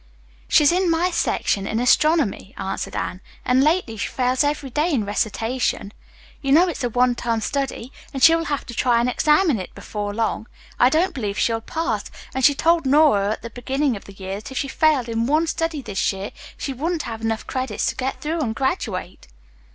"She is in my section in astronomy," answered Anne, "and lately she fails every day in recitation. You know it's a one term study, and she will have to try an exam in it before long. I don't believe she'll pass, and she told Nora at the beginning of the year that if she failed in one study this year she wouldn't have enough credits to get through and graduate."